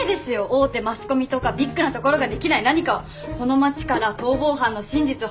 大手マスコミとかビッグなところができない何かをこの町から逃亡犯の真実を発信したいと！